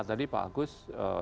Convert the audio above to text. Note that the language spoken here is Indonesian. tadi pak agus